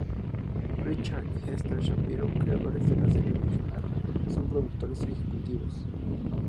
Richard y Esther Shapiro, creadores de la serie original, son productores ejecutivos.